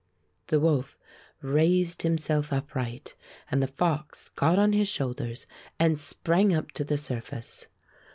The wolf raised himself upright, and the fox got on his shoulders and sprang up to the surface.